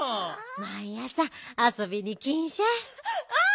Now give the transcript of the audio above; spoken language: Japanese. まいあさあそびにきんしゃい。